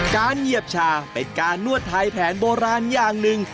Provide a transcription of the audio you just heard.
เหยียบชาเป็นการนวดไทยแผนโบราณอย่างหนึ่ง